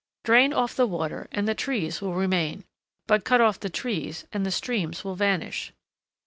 Drain off the water and the trees will remain, but cut off the trees, and the streams will vanish.